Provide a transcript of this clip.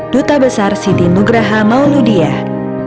duta besar siti nugraha mauludiah